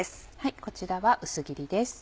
こちらは薄切りです。